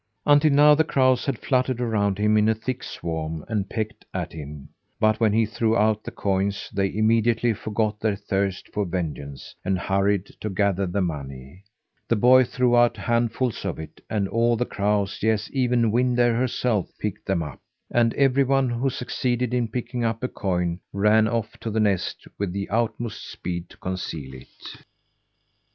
Until now the crows had fluttered around him in a thick swarm and pecked at him, but when he threw out the coins they immediately forgot their thirst for vengeance, and hurried to gather the money. The boy threw out handfuls of it, and all the crows yes, even Wind Air herself picked them up. And everyone who succeeded in picking up a coin ran off to the nest with the utmost speed to conceal it.